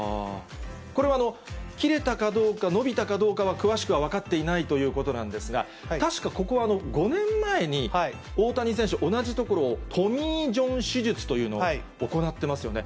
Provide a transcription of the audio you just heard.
これは、切れたかどうか、伸びたかどうかは、詳しくは分かっていないということなんですが、確か、ここは５年前に、大谷選手、同じところをトミー・ジョン手術というのを行ってますよね。